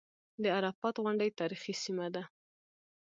د عرفات غونډۍ تاریخي سیمه ده.